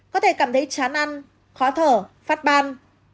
có thể cảm thấy chán ăn khó thở phát ban